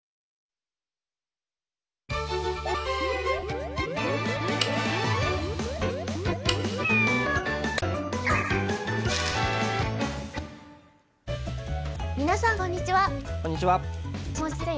みなさんこんにちは。